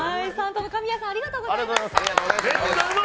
神谷さんありがとうございました。